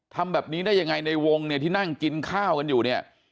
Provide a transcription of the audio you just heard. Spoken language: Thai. ทำแบบนี้ได้ยังไงในวงเนี่ยที่นั่งกินข้าวกันอยู่เนี่ย